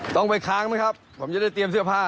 ต้องไปค้างไหมครับผมจะได้เตรียมเสื้อผ้า